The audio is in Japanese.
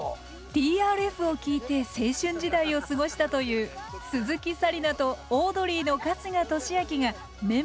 ＴＲＦを聴いて青春時代を過ごしたという鈴木紗理奈とオードリーの春日俊彰がメンバーのもとへ。